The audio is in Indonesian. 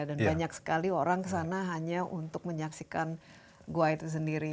dan banyak sekali orang kesana hanya untuk menyaksikan gua itu sendiri